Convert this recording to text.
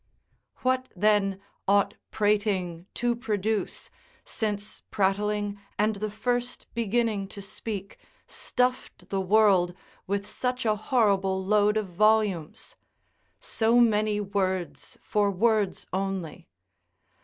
] What, then, ought prating to produce, since prattling and the first beginning to speak, stuffed the world with such a horrible load of volumes? So many words for words only.